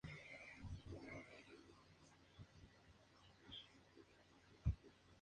El lenguaje se considera poco apropiado para contextos formales.